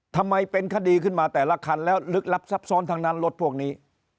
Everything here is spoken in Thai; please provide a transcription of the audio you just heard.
ทำไมเป็นคดีขึ้นมาแต่ละคันแล้วลึกลับซับซ้อนทั้งนั้นรถพวกนี้